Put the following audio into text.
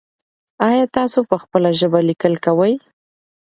ایا تاسو په خپله ژبه لیکل کوئ؟